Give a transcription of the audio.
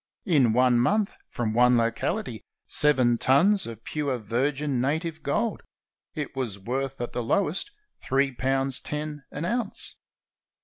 In one month, from one locaHty, seven tons of pure virgin native gold! It was worth at the lowest three pounds ten an ounce.